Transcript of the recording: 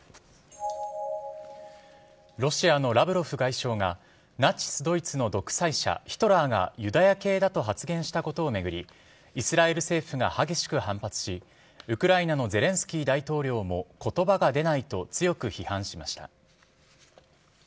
ロシアのラブロフ外相が、ナチス・ドイツの独裁者、ヒトラーがユダヤ系だと発言したことを巡り、イスラエル政府が激しく反発し、ウクライナのゼレンスキー大統領も、ことばが出ないと強く批判しました。